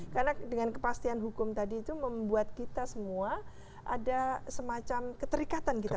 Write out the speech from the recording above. karena dengan kepastian hukum tadi itu membuat kita semua ada semacam keterikatan kita pada